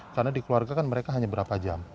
karena di keluarga kan mereka hanya berapa jam